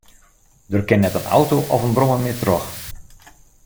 Der kin net in auto of in brommer mear troch.